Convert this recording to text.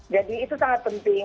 jadi itu sangat penting